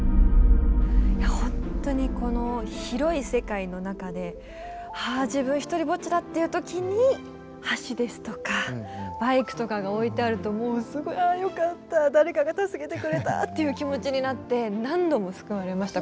ほんとにこの広い世界の中で「あ自分ひとりぼっちだ」っていう時に橋ですとかバイクとかが置いてあるともうすごい「あよかった誰かが助けてくれた」っていう気持ちになって何度も救われました